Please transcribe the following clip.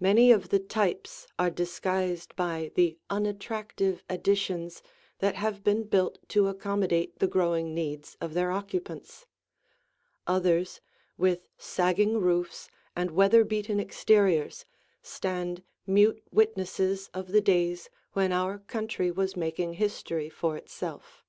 Many of the types are disguised by the unattractive additions that have been built to accommodate the growing needs of their occupants. Others, with sagging roofs and weather beaten exteriors, stand mute witnesses of the days when our country was making history for itself.